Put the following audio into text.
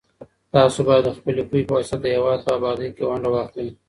تاسو بايد د خپلي پوهي په واسطه د هېواد په ابادۍ کي ونډه واخلئ.